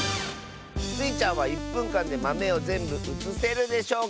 スイちゃんは１ぷんかんでまめをぜんぶうつせるでしょうか？